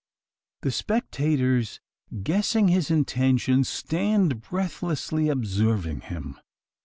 The spectators, guessing his intention, stand breathlessly observing him.